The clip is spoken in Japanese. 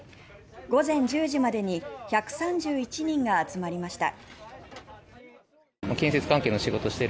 午前１０時までに１３１人が集まりました。